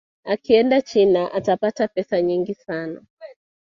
akienda china atapata pesa nyingi sana